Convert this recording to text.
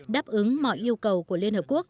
đáp ứng mọi yêu cầu của liên hợp quốc